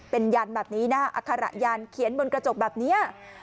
เป็นยันแบบนี้นะอัคระยันเขียนบนกระจกแบบนี้